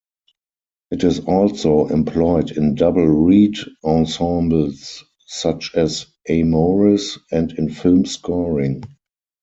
It is also employed in double-reed ensembles such as Amoris, and in film scoring.